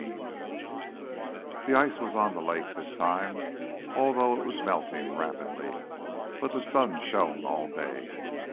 XIX The ice was on the lake this time, although it was melting rapidly, but the sun shone all day.